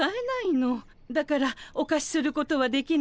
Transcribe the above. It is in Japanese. だからおかしすることはできないわ。